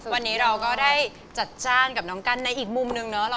วันนี้เราก็ได้จัดจ้านกับน้องกันในอีกมุมนึงเนาะ